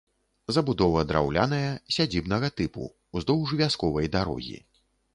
Забудова драўляная, сядзібнага тыпу, уздоўж вясковай дарогі.